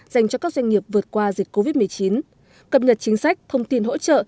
dành cho các doanh nghiệp vượt qua dịch covid một mươi chín cập nhật chính sách thông tin hỗ trợ